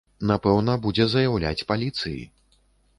Напэўна, будзе заяўляць паліцыі.